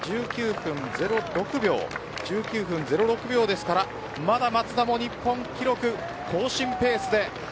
１９分０６秒ですから松田もまだ日本記録更新ペースです。